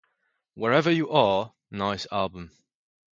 Wherever you are, nice album.